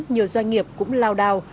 nhiều doanh nghiệp cũng lao đào